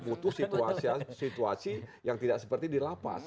butuh situasi yang tidak seperti dilapas